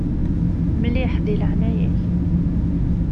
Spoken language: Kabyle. Mliḥ, di leɛnaya-k.